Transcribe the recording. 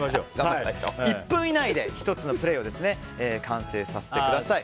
１分以内で１つのプレーを完成させてください。